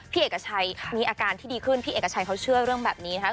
เอกชัยมีอาการที่ดีขึ้นพี่เอกชัยเขาเชื่อเรื่องแบบนี้นะครับ